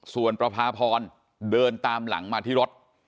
ส่วนประพาพรเดินตามหลังมาที่รถ